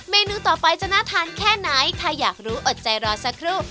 นูต่อไปจะน่าทานแค่ไหนถ้าอยากรู้อดใจรอสักครู่